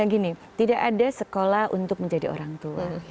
gini tidak ada sekolah untuk menjadi orang tua